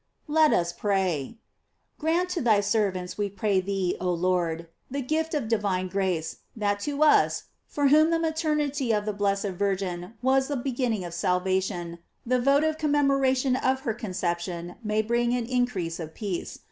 Let us Pray. GRANT to thy servants, we pray thee, oh Lord, the gift of divine grace, that to us, for whom the maternity of the blessed Virgin was the begin ning of salvation, the votive commemoration of her conception may bring an increase of peace.